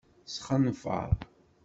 Sxenfeṛ.